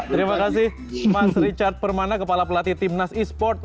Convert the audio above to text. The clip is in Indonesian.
terima kasih mas richard permana kepala pelatih tim nas esports